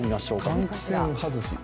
換気扇外し？